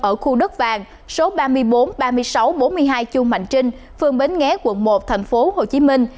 ở khu đất vàng số ba mươi bốn ba mươi sáu bốn mươi hai chu mạnh trinh phường bến nghé quận một thành phố hồ chí minh